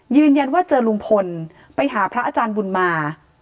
ยืนยันว่าเจอลุงพลไปหาพระอาจารย์บุญมา